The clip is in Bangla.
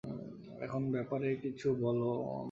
এখন ব্যাপারে কিছু বলো।